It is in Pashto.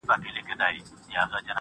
زلمو به زړونه ښکلیو نجونو ته وړیا ورکول-